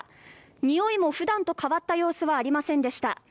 においもふだんと変わった様子はありませんでした。